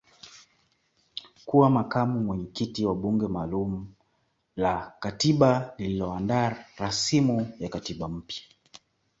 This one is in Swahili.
kuwa makamu mwenyekiti wa bunge maalum la katiba lililoandaa rasimu ya katiba mpya